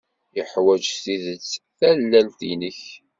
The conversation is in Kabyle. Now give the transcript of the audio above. Yeḥwaj s tidet tallalt-nnek.